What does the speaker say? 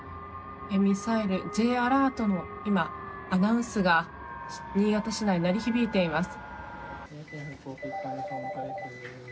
ミサイルＪアラートの今、アナウンスが新潟市内に鳴り響いています。